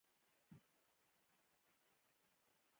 له موټروان سره په خبرو کې سفر ته ادامه ورکړه.